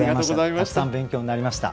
たくさん勉強になりました。